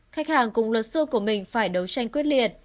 khách hàng cùng luật sư của mình phải đấu tranh quyết liệt